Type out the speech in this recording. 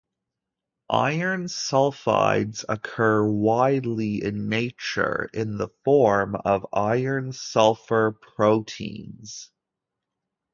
Iron sulfides occur widely in nature in the form of iron-sulfur proteins.